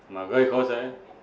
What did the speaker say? mà gây khó dễ